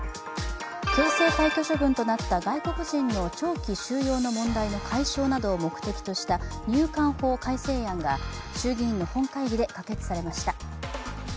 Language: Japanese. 強制退去処分となった外国人の長期収容の問題の解消などを目的とした入管法改正案が衆議院の本会議で可決されました。